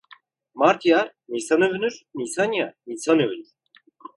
Mart yağar, nisan övünür; nisan yağar, insan övünür.